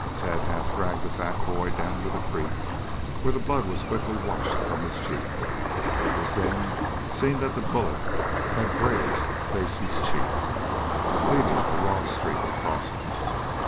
Tad half dragged the fat boy down to the creek where the blood was quickly washed from his cheek. It was then seen that a bullet had grazed Stacy's cheek, leaving a raw streak across it.